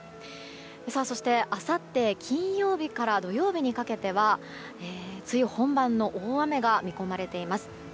そして、あさって金曜日から土曜日にかけては梅雨本番の大雨が見込まれています。